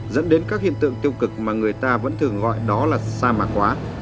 dẫn đến các hiện tượng tiêu cực mà người ta vẫn thường gọi đó là sa mạc quá